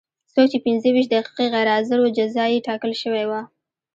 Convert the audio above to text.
څوک چې پنځه ویشت دقیقې غیر حاضر و جزا یې ټاکل شوې وه.